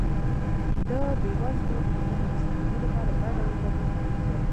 د بېوزلو ټولنو د شتمنۍ لپاره دا ډول بدلون اړین دی.